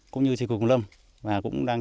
cũng như trị quỳ cùng lâm và cũng đang